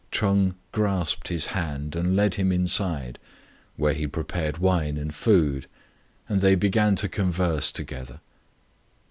Ch'eng grasped his hand and led him inside, where he prepared wine and food, and they began to converse together.